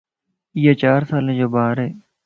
ايو چار سالين جو ٻار ائي